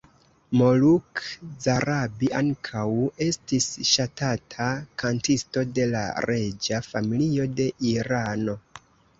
Moluk Zarabi ankaŭ estis ŝatata kantisto de la reĝa familio de Irano.